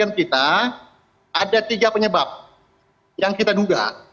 dalam penelitian kita ada tiga penyebab yang kita duga